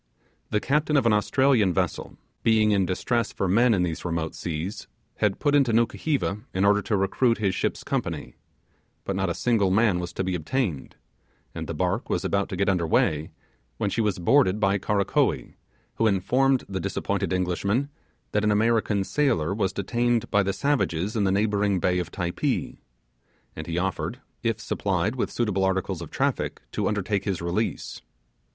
The captain of an Australian vessel, being in distress for men in these remote seas, had put into Nukuheva in order to recruit his ship's company; but not a single man was to be obtained; and the barque was about to get under weigh, when she was boarded by Karakoee, who informed the disappointed Englishman that an American sailor was detained by the savages in the neighbouring bay of Typee; and he offered, if supplied with suitable articles of traffic, to undertake his release.